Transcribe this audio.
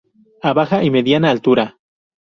A baja y mediana altura.